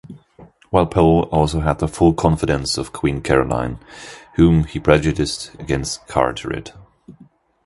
Walpole also had the full confidence of Queen Caroline, whom he prejudiced against Carteret.